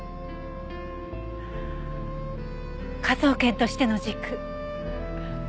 科捜研としての軸。